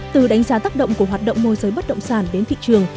từ đánh giá tác động của hoạt động môi giới bất động sản đến thị trường